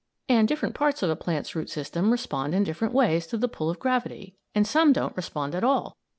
] And different parts of a plant's root system respond in different ways to the pull of gravity, and some don't respond at all.